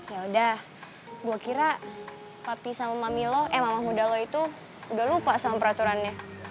yaudah gue kira papi sama mama muda lo itu udah lupa sama peraturannya